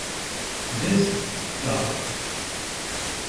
For this, Gov.